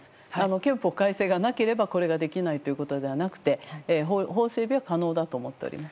憲法改正がなければこれができないということではなくて法整備は可能だと考えております。